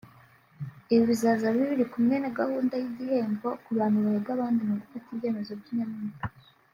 Ibi bizaza biri kumwe na gahunga y’igihembo ku bantu bahiga abandi mu gufata ibyemezo by’inyamibwa